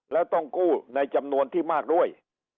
แล้วต้องกู้ในจำนวนที่มากด้วย